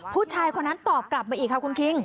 ผู้ชายคนนั้นตอบกลับมาอีกค่ะคุณคิง